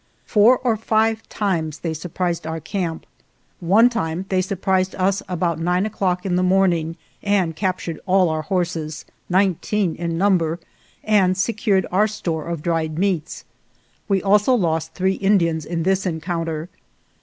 Four or five times they surprised our camp. One time they surprised us about nine o'clock in the morning, and captured all our horses 3 (nineteen in number) and secured our store of dried meats. We also lost three Indians in this encounter.